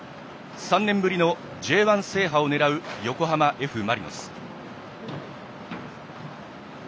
３年ぶりのＪ１制覇を狙う横浜Ｆ・マリノス。